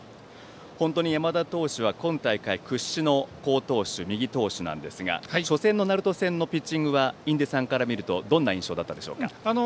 本当に、山田投手は今大会屈指の好投手右投手なんですが初戦の鳴門戦のピッチングはどんな印象でしたか。